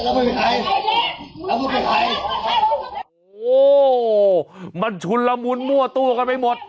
โหงมันชุดละมุนมั่วตู้กันไปหมด